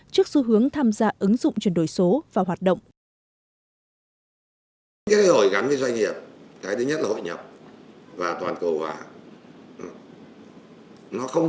trước xu hướng tham gia ứng dụng chuyển đổi số và hoạt động